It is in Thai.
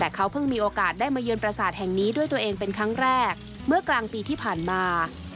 แต่เขาเพิ่งมีโอกาสได้มาเยือนประสาทแห่งนี้ด้วยตัวเองเป็นครั้งแรกเมื่อกลางปีที่ผ่านมา